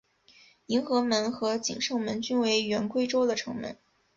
迎和门和景圣门均为原归州的城门。